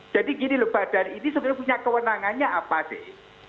jadi gini loh badan ini sebenarnya punya kewenangannya apa deh